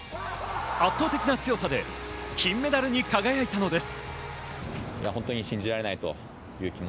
圧倒的な強さで金メダルに輝いたのです。